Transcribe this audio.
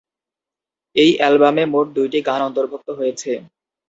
এই অ্যালবামে মোট দুইটি গান অন্তর্ভুক্ত হয়েছে।